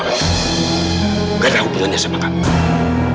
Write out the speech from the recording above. gak ada hubungannya sama kamu